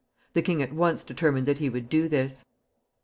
The king at once determined that he would do this.